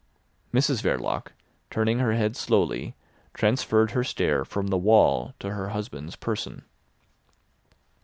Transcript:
Mrs Verloc, turning her head slowly, transferred her stare from the wall to her husband's person.